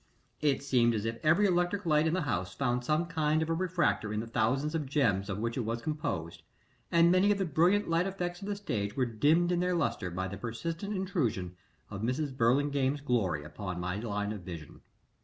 It seemed as if every electric light in the house found some kind of a refractor in the thousands of gems of which it was composed, and many of the brilliant light effects of the stage were dimmed in their lustre by the persistent intrusion of Mrs. Burlingame's glory upon my line of vision.